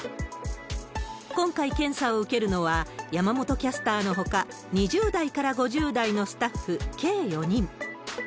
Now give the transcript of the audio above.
今回、検査を受けるのは山本キャスターのほか、２０代から５０代のスタッフ、計４人。